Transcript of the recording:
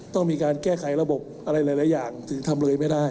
ต้องมีการแก้ไขระบบอะไรหลายอย่างถึงทำเลยไม่ได้